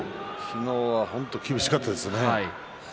昨日は本当に厳しかったですね。